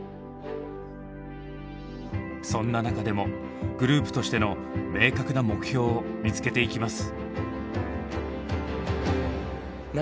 そんな中でもグループとしての明確な目標を見つけていきます。